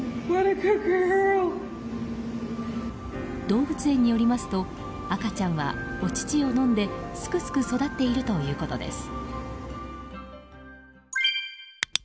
動物園によりますと赤ちゃんはお乳を飲んですくすく育っているということです。